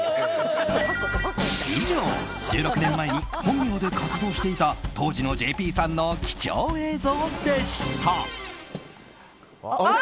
以上、１６年前に本名で活動していた当時のＪＰさんの貴重映像でした。